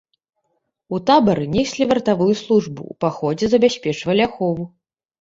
У табары неслі вартавую службу, у паходзе забяспечвалі ахову.